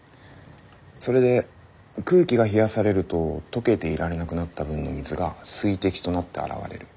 それで空気が冷やされると溶けていられなくなった分の水が水滴となって現れる。